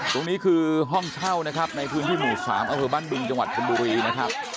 ตรงนี้คือห้องเช่านะครับในพื้นที่หมู่๓อำเภอบ้านบึงจังหวัดชนบุรีนะครับ